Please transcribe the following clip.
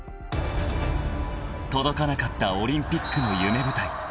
［届かなかったオリンピックの夢舞台］